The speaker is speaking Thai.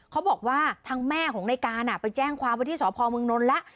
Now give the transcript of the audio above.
เขาบอกว่าทั้งแม่ของนายการไปแจ้งความว่าที่สมนแล้ว